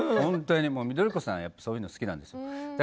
緑子さん、やっぱりそういうのが好きなんですよ。